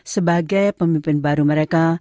sebagai pemimpin baru mereka